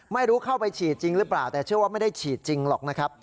ไม่รู้เข้าไปฉีดจริงหรือเปล่าแต่เชื่อว่าไม่ได้ฉีดจริงหรอกนะครับ